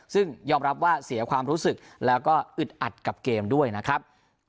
ซึ่งยอมรับว่าเสียความรู้สึกแล้วก็อึดอัดกับเกมด้วยนะครับ